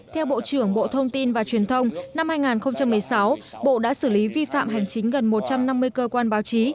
theo bộ trưởng bộ thông tin và truyền thông năm hai nghìn một mươi sáu bộ đã xử lý vi phạm hành chính gần một trăm năm mươi cơ quan báo chí